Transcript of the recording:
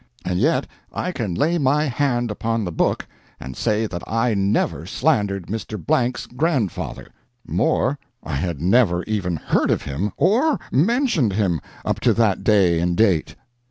And yet I can lay my hand upon the Book and say that I never slandered Mr. Blank's grandfather. More: I had never even heard of him or mentioned him up to that day and date.